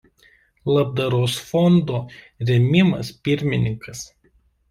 Labdaros fondo „Rėmimas“ pirmininkas.